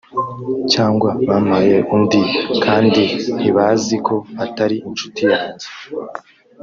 (cyangwa) bampaye undi kandi ntibazi ko atari inshuti yanjye